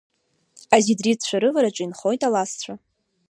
Азидридцәа рывараҿы инхоит алазцәа…